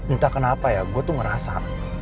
entah kenapa ya gue tuh ngerasa